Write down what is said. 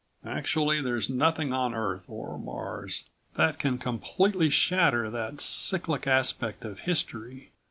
Actually, there's nothing on Earth or Mars that can completely shatter that cyclic aspect of history.